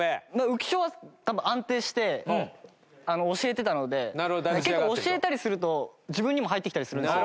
浮所は多分安定して教えてたので結構教えたりすると自分にも入ってきたりするんですよ。